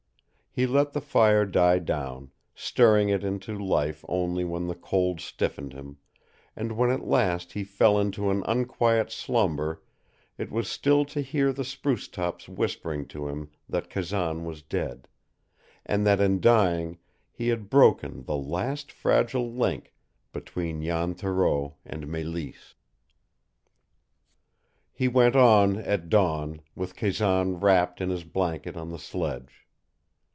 He let the fire die down, stirring it into life only when the cold stiffened him, and when at last he fell into an unquiet slumber it was still to hear the spruce tops whispering to him that Kazan was dead, and that in dying he had broken the last fragile link between Jan Thoreau and Mélisse. He went on at dawn, with Kazan wrapped in his blanket on the sledge.